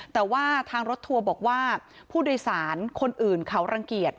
แต่ว่าทางรถทัวร์บอกว่าผู้โดยสารคนอื่นเขารังเกียจ